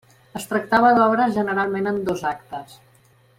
Es tractava d'obres generalment en dos actes.